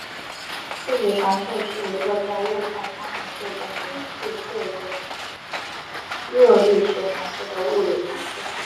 气体常数是一个在物态方程式中连系各个热力学函数的物理常数。